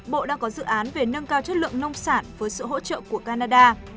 bộ đang có dự án về nâng cao chất lượng nông sản với sự hỗ trợ của canada